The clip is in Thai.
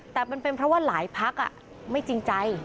แต่มันเป็นเพราะว่าหลายพักไม่จริงใจ